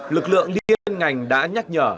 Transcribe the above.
lực lượng liên ngành đã nhắc nhở